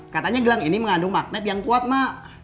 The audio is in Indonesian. katanya gelang ini mengandung magnet yang kuat mak